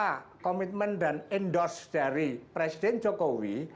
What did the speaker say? karena komitmen dan endorse dari presiden jokowi